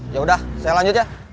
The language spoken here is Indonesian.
yaudah saya lanjut ya